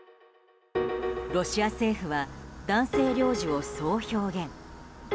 ロシア政府は男性領事をそう表現。